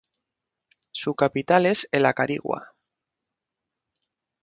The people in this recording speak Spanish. Su capital es el Acarigua.